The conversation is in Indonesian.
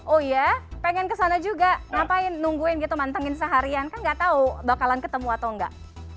oh ya pengen ke sana juga ngapain nungguin gitu mantangin seharian kan gak tau bakalan ketemu atau enggak